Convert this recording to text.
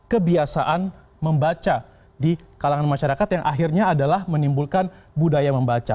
kebiasaan membaca di kalangan masyarakat yang akhirnya adalah menimbulkan budaya membaca